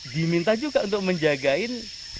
diminta juga untuk menjagain